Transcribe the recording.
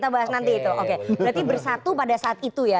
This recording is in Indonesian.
berarti bersatu pada saat itu ya